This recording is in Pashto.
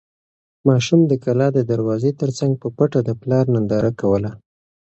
ماشوم د کلا د دروازې تر څنګ په پټه د پلار ننداره کوله.